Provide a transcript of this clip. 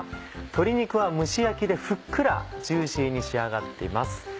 鶏肉は蒸し焼きでふっくらジューシーに仕上がっています。